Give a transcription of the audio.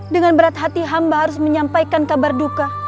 dengan berat hati hamba harus menyampaikan kabar duka